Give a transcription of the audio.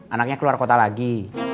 anaknya keluar kota lagi